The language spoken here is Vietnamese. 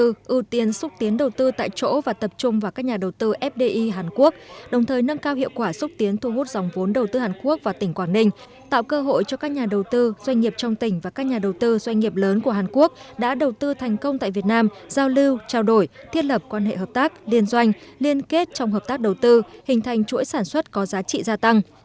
hội nghị đã đổi mới cách thức xúc tiến đầu tư tại chỗ và tập trung vào các nhà đầu tư fdi hàn quốc đồng thời nâng cao hiệu quả xúc tiến thu hút dòng vốn đầu tư hàn quốc và tỉnh quảng ninh tạo cơ hội cho các nhà đầu tư doanh nghiệp trong tỉnh và các nhà đầu tư doanh nghiệp lớn của hàn quốc đã đầu tư thành công tại việt nam giao lưu trao đổi thiết lập quan hệ hợp tác liên doanh liên kết trong hợp tác đầu tư hình thành chuỗi sản xuất có giá trị gia tăng